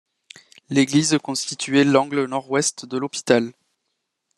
L'église constituait l'angle nord-ouest de l'hôpital.